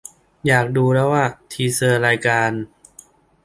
อยากดูแล้วอ่ะ ! ทีเซอร์ รายการ